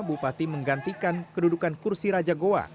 bupati menggantikan kedudukan kursi raja goa